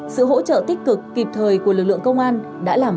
sự hỗ trợ tích cực kịp thời của lực lượng công an đã làm